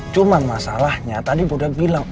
cuma masalahnya tadi udah bilang